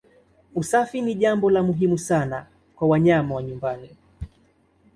Usafi ni jambo muhimu sana kwa wanyama wa nyumbani.